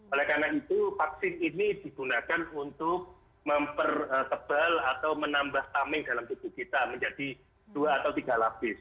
oleh karena itu vaksin ini digunakan untuk mempertebal atau menambah staming dalam tubuh kita menjadi dua atau tiga lapis